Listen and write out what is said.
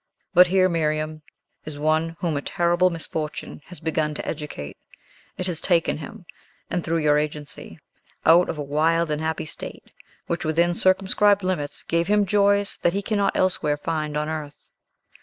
But here, Miriam, is one whom a terrible misfortune has begun to educate; it has taken him, and through your agency, out of a wild and happy state, which, within circumscribed limits, gave him joys that he cannot elsewhere find on earth.